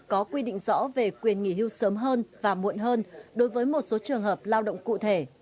có quy định rõ về quyền nghỉ hưu sớm hơn và muộn hơn đối với một số trường hợp lao động cụ thể